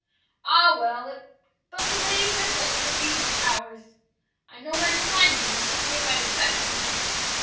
'Ah well, it but delays my pleasure a few hours. I know where to find ye and shall pay my respects to night.'